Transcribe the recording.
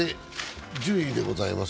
順位でございます。